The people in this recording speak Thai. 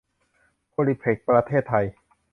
โพลีเพล็กซ์ ประเทศไทย